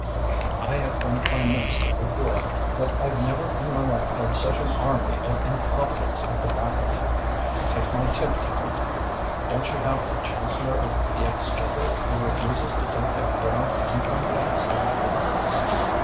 I have been Prime Minister before, but I've never in my life had such an army of incompetents at the back of me. Take my tip, Tallente. Don't you have a Chancellor of the Exchequer who refuses to take a bit off the income tax every year."